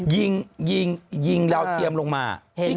ยิงยิงดาวเทียมลงมา